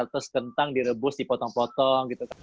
terus kentang direbus dipotong potong